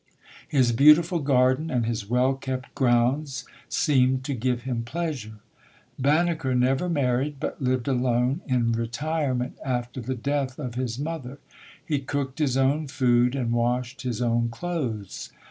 His beautiful garden and his well kept grounds seemed to give him pleasure. Banneker never married, but lived alone in retirement after the death of his mother. He cooked his own food and washed his own clothes.